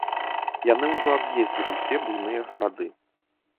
Яны ўжо аб'ездзілі ўсе буйныя гарады.